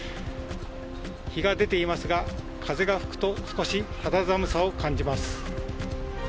日が出ていますが、風が吹くと少し肌寒さを感じます。